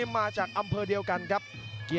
ทุกคนสามารถยินได้